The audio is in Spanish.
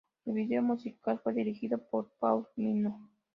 El video musical fue dirigido por Paul Minor.